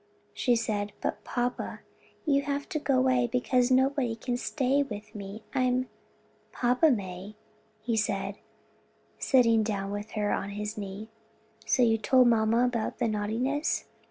she said, "but, papa, you'll have to go away, because nobody must stay with me; I'm " "Papa may," he said, sitting down with her on his knee. "So you told mamma about the naughtiness?"